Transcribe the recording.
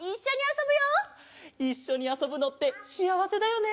いっしょにあそぶのってしあわせだよね！